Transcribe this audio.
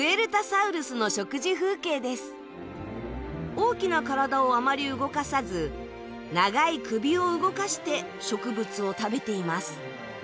大きな体をあまり動かさず長い首を動かして植物を食べています。